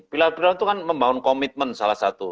pilar pilar itu kan membangun komitmen salah satu